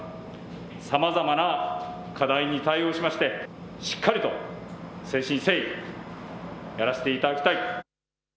さまざまな課題に対応しましてしっかりと誠心誠意、やらしていただきたい。